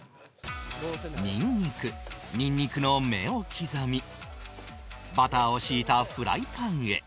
ニンニクニンニクの芽を刻みバターを敷いたフライパンへ